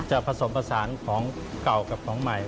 ผสมผสานของเก่ากับของใหม่